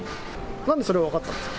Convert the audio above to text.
なんでそれが分かったんですか？